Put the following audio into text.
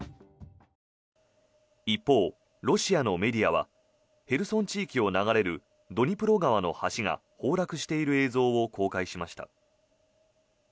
一方、ロシアのメディアはヘルソン地域を流れるドニプロ川の橋が崩落している映像を公開しました。